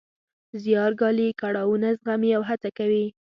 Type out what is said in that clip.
زیار ګالي، کړاوونه زغمي او هڅه کوي.